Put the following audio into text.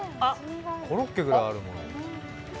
コロッケぐらいあるよ。